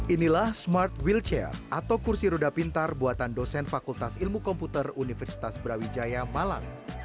inilah smart will chair atau kursi roda pintar buatan dosen fakultas ilmu komputer universitas brawijaya malang